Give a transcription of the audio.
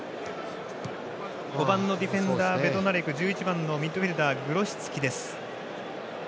５番のディフェンスベドナレク１１番、ミッドフィールダーグロシツキです。